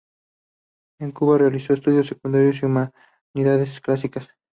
En Cuba realizó estudios secundarios y de humanidades clásicas.